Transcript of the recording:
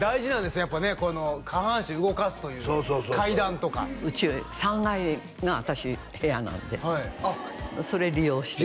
やっぱねこの下半身動かすという階段とかうち３階が私部屋なのではいあっそれ利用してます